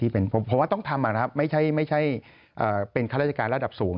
เพราะว่าต้องทำนะครับไม่ใช่เป็นข้าราชการระดับสูง